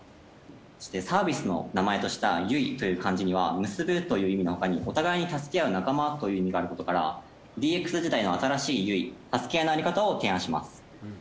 そしてサービスの名前とした「結」という漢字には結ぶという意味のほかにお互いに助け合う仲間という意味があることからＤＸ時代の新しい結助け合いのあり方を提案します。